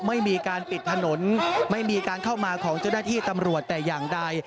ไม่มีการปิดถนนไม่มีการเข้ามาของเจ้าหน้าที่ตำรวจแต่อย่างใด